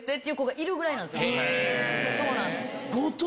いう子がいるぐらいなんです。